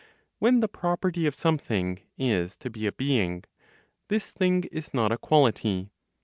When the property of something is to be a being, this thing is not a quality.